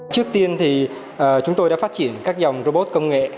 trước tiên thì chúng tôi đã phát triển các dòng robot công nghệ